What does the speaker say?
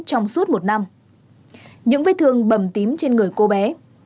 trong suốt một năm những vết thương bầm tím trên người cô bé